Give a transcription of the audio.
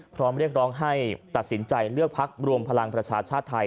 พร้อมเรียกร้องให้ตัดสินใจเลือกพักรวมพลังประชาชาติไทย